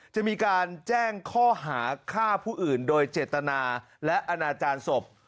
จะมีการแจ้งข้อหาฆ่าผู้อื่นโดยเจตนาและอนาจารย์ศพ